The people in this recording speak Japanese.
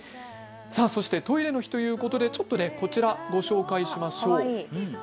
そしてトイレの日ということで、こちらご紹介しましょう。